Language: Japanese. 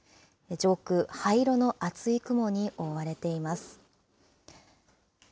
上空、灰色の厚い雲に覆われています。